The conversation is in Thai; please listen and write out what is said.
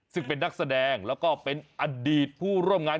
ซึ่งเป็นนักแสดงแล้วก็เป็นอดีตผู้ร่วมงาน